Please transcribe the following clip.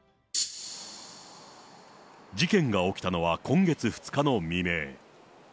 事件が起きたのは今月２日の未明。